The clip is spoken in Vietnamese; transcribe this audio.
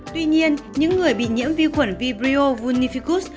tuy nhiên những người bị nhiễm vi khuẩn vibrio vunificus